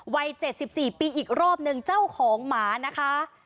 วัย๗๔ปีอีกรอบหนึ่งเจ้าของหมานะคะ